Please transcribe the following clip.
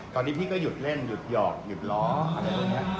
ตอนนี้พี่ก็หยุดเล่นหยุดหยอกหยุดล้ออะไรแบบนี้